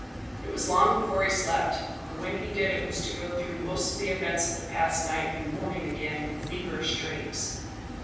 It was long before he slept, and when he did it was to go through most of the events of the past night and morning again in feverish dreams.